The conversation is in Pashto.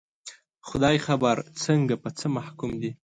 خدای خبر څنګه، په څه محکوم دي